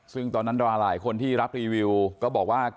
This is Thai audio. ซึ่งตอนนั้นดาราหลายคนที่รับรีวิวก็บอกว่า